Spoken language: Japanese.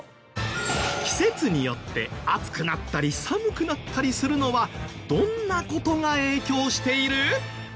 季節によって暑くなったり寒くなったりするのはどんな事が影響している？